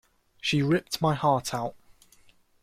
She ripped my heart out.